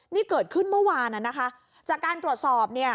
นี่เกิดขึ้นเมื่อวานน่ะนะคะจากการตรวจสอบเนี่ย